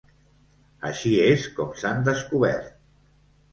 Així és com s’han descobert.